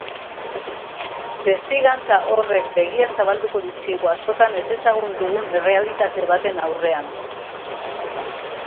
Testigantza horrek begiak zabalduko dizkigu askotan ezezagun dugun errealitate baten aurrean.